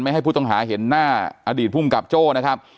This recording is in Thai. ให้ผู้ต้องหาเห็นหน้าอดีตภูมิกับโจ้นะครับ